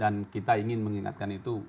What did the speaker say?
dan kita ingin mengingatkan itu